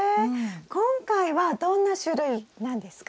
今回はどんな種類なんですか？